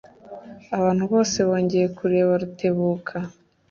Abantu bose bongeye kureba Rutebuka.